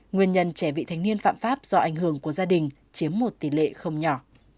nguyên nhân trẻ bị thanh niên phạm pháp do ảnh hưởng của gia đình chiếm một tỷ lệ không nhỏ